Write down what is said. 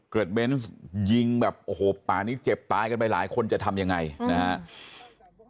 เบนส์ยิงแบบโอ้โหป่านี้เจ็บตายกันไปหลายคนจะทำยังไงนะครับ